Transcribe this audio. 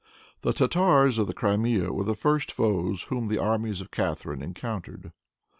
The Tartars of the Crimea were the first foes whom the armies of Catharine encountered.